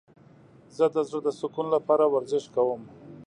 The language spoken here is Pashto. زه د زړه د سکون لپاره ورزش کوم.